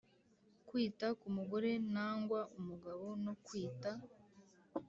Kwita kumugore nangwa kumugabo no kwita